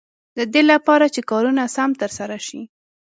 د دې لپاره چې کارونه سم تر سره شي.